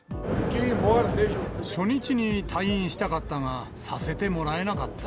初日に退院したかったが、させてもらえなかった。